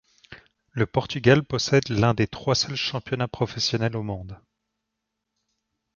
Le Portugal possède l'un des trois seuls championnats professionnels au monde.